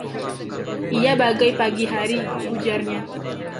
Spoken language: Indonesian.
“Ia bagai pagi hari,” ujarnya.